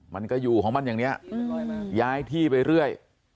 มันก็อยู่ของมันอย่างนี้ย้ายที่ไปเรื่อย